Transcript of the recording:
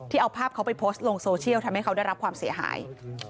เอาภาพเขาไปโพสต์ลงโซเชียลทำให้เขาได้รับความเสียหาย